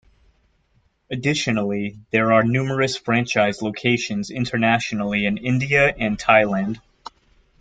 Additionally, there are numerous franchise locations internationally in India and Thailand.